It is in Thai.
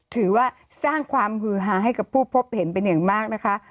ถือว่าสร้างความฮือหาให้กับผู้พบเห็นเป็นอย่างมากนะคะ